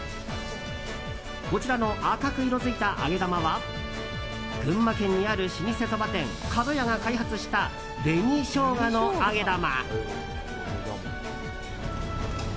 こちらの赤く色づいた揚げ玉は群馬県にある老舗そば店角弥が開発した紅しょうがのあげ玉。